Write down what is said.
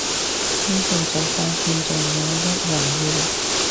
呢度就快變做我一人語錄